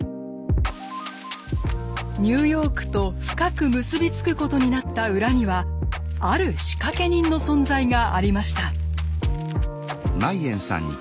ニューヨークと深く結び付くことになった裏にはある仕掛け人の存在がありました。